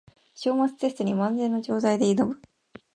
章末テストに万全の状態で挑む